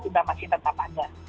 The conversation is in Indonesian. juga masih tetap ada